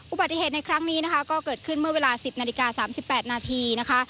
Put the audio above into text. อุบัติเหตุในครั้งนี้นะคะก็เกิดขึ้นเมื่อเวลา๑๐นาฬิกา๓๘นาทีนะคะ